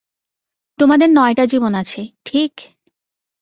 তোমাদের নয়টা জীবন আছে, ঠিক?